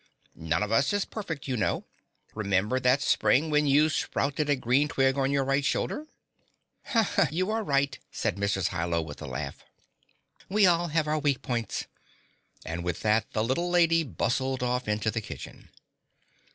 "None of us is perfect, you know. Remember that spring when you sprouted a green twig on your right shoulder?" "You are right," said Mrs. Hi Lo with a laugh. "We all have our weak points." And with that the little lady bustled off into the kitchen.